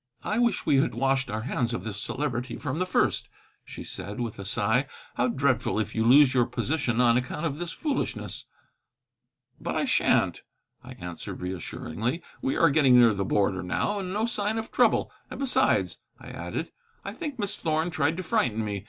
"I wish we had washed our hands of this Celebrity from the first," she said, with a sigh. "How dreadful if you lose your position on account of this foolishness!" "But I shan't," I answered reassuringly; "we are getting near the border now, and no sign of trouble. And besides," I added, "I think Miss Thorn tried to frighten me.